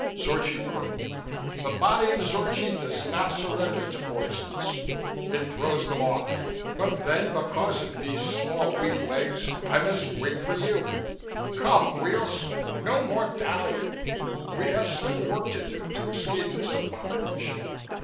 Zorchi grumbled. "The body of Zorchi does not surrender to poisons; it throws them off. But then because of these small weak legs, I must wait for you! Come, Weels, no more dallying! We have still work to do to escape this abomination!"